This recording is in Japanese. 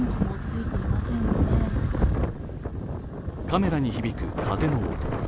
カメラに響く風の音。